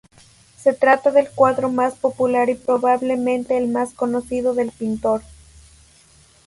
Se trata del cuadro más popular y probablemente el más conocido del pintor.